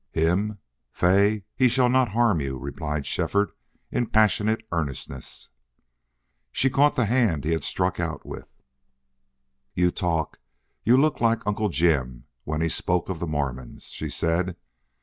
"Him! Fay he shall not harm you," replied Shefford in passionate earnestness. She caught the hand he had struck out with. "You talk you look like Uncle Jim when he spoke of the Mormons," she said.